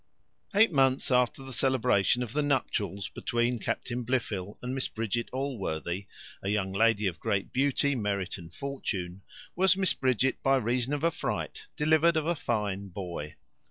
Eight months after the celebration of the nuptials between Captain Blifil and Miss Bridget Allworthy, a young lady of great beauty, merit, and fortune, was Miss Bridget, by reason of a fright, delivered of a fine boy.